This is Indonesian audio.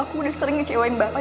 aku udah sering ngecewain bapak